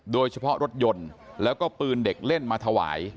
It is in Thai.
โดยเฉพาะรถยนต์แล้วก็ปืนเด็กเล่นมาถวาย